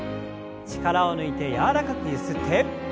力を抜いて柔らかくゆすって。